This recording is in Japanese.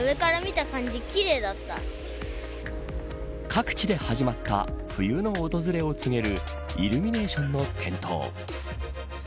各地で始まった冬の訪れを告げるイルミネーションの点灯。